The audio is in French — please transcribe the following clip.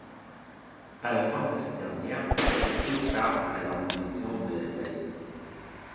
À la fin de cette dernière, elle prit part à l'invasion de l'Italie.